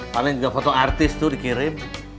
paling juga foto artis tuh dikirim